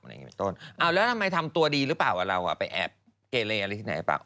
อ๋อแล้วทำไมทำตัวดีหรือเปล่าว่าเราอ่ะไปแอบเกเลอะไรที่ไหนป่ะ